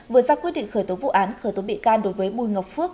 vừa ra quyết định khởi tố vụ án khởi tố bị can đối với bùi ngọc phước